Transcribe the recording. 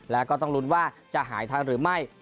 แล้วก็ต้องลุ้นว่าจะหายทันหรือไม่